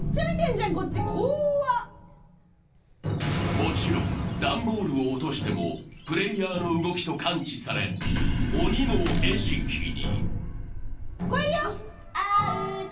もちろん段ボールを落としてもプレーヤーの動きと感知され鬼の餌食に。